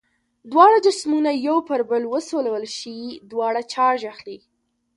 دواړه جسمونه یو پر بل وسولول شي دواړه چارج اخلي.